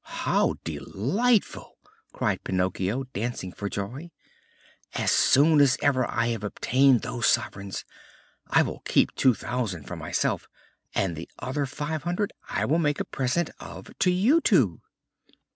how delightful!" cried Pinocchio, dancing for joy. "As soon as ever I have obtained those sovereigns, I will keep two thousand for myself and the other five hundred I will make a present of to you two."